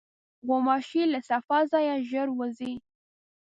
غوماشې له صفا ځایه ژر وځي.